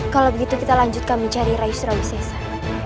kalau begitu kita lanjutkan mencari rai surawisesa